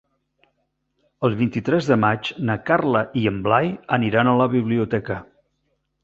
El vint-i-tres de maig na Carla i en Blai aniran a la biblioteca.